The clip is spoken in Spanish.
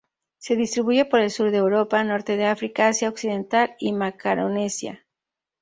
Se distribuye por el Sur de Europa, Norte de África, Asia Occidental y Macaronesia.